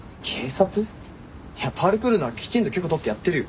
いやパルクールならきちんと許可取ってやってるよ。